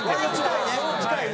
近いね。